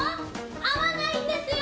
合わないんですよ。